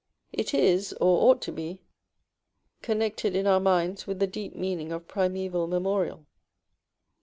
It is, or ought to be, connected in our minds with the deep meaning of primeval memorial.